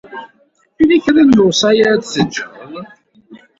Yella kra n lewṣaya ara d-tejjeḍ?